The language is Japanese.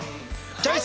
チョイス！